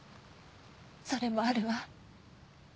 それもあるわ。